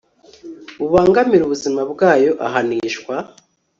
bubangamira ubuzima bwayo ahanishwa